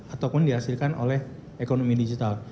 ataupun dihasilkan oleh ekonomi digital